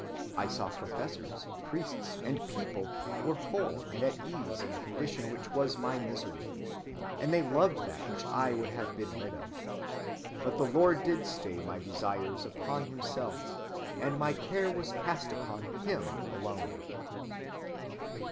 I saw professors, priests, and people were whole and at ease in that condition which was my misery, and they loved that which I would have been rid of. But the Lord did stay my desires upon himself, and my care was cast upon him alone."